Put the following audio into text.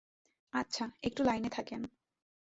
আচ্ছা, একটু লাইনে থাকেন।